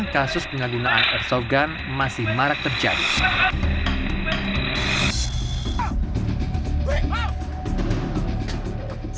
kasus pengadunaan airsoft gun masih marak terjadi